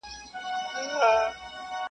مړې سي عاطفې هلته ضمیر خبري نه کوي.